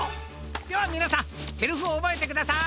ではみなさんセリフをおぼえてください。